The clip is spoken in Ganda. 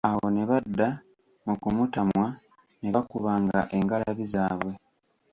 Awo ne badda mu kumutamwa, ne bakubanga engalabi zaabwe.